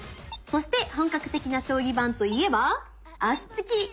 そして本格的な将棋盤といえば脚つき！